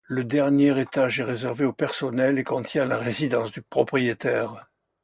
Le dernier étage est réservé au personnel et contient la résidence du propriétaire.